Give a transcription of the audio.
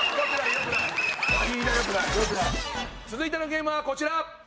続いてのゲームはこちら！